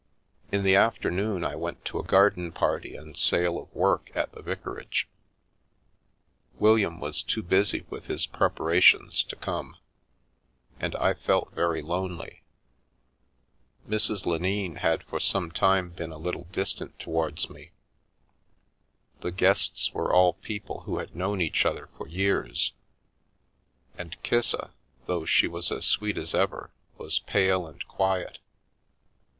In the afternoon I went to a garden party and sale of work at the vicarage. William was too busy with his preparations to come, and I felt very lonely. Mrs. An Epitaph Lenine had for some time been a little distant towards me, the guests were all people who had known each other for years, and Kissa, though she was as sweet as ever, was pale and quiet.